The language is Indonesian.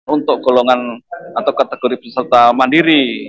untuk golongan atau kategori peserta mandiri